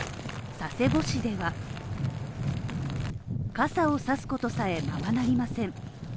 佐世保市では傘を差すことさえ、ままなりません。